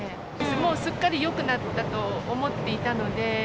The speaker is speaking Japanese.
もうすっかりよくなっていたと思っていたので。